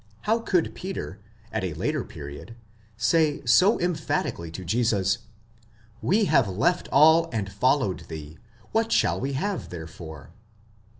How could Peter, at a later period, say so em phatically to Jesus, We have left all, and followed thee: what shall we have therefore